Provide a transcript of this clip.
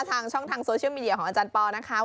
ทางช่องทางโซเชียลมีเดียของอาจารย์ปอลนะคะ